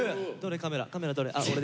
カメラカメラどれ？